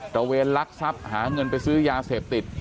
ระเวนลักทรัพย์หาเงินไปซื้อยาเสพติด